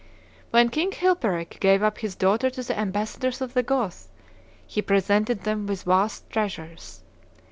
... When King Chilperic gave up his daughter to the ambassadors of the Goths, he presented them with vast treasures.